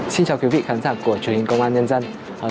xin chào quý vị khán giả của truyền hình công an nhân dân